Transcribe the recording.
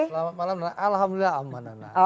selamat malam alhamdulillah aman